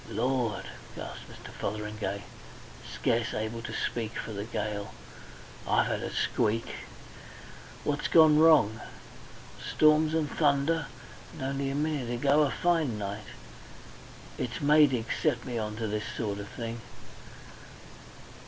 "Lord!" gasped Mr. Fotheringay, scarce able to speak for the gale, "I've had a squeak! What's gone wrong? Storms and thunder. And only a minute ago a fine night. It's Maydig set me on to this sort of thing.